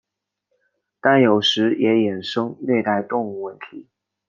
但有时也衍生虐待动物问题。